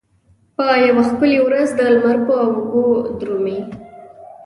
یوه ښکلې ورځ د لمر په اوږو درومې